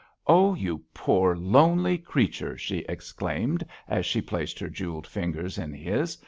"Oh, you poor lonely creature," she exclaimed, as she placed her jewelled fingers in his.